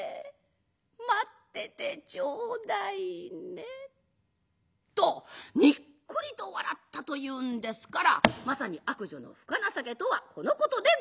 待っててちょうだいね」とにっこりと笑ったというんですからまさに「悪女の深情け」とはこのことでございましょう。